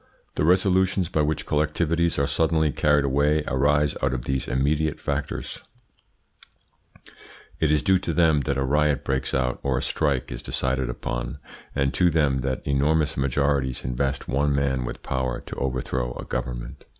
The resolutions by which collectivities are suddenly carried away arise out of these immediate factors; it is due to them that a riot breaks out or a strike is decided upon, and to them that enormous majorities invest one man with power to overthrow a government.